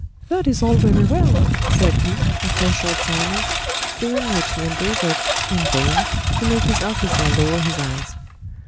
"That is all very well," said he, after a short silence, during which he endeavored, in vain, to make his officer lower his eyes.